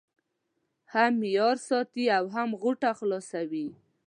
هم معیار ساتي او هم غوټه خلاصوي.